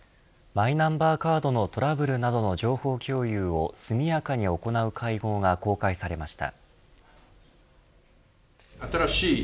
マイナンバーカードのトラブルなどの情報共有を速やかに行う会合が公開されました。